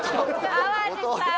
淡路さん！